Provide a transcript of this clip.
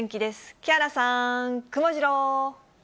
木原さん、くもジロー。